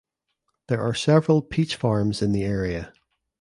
There are several peach farms in the area.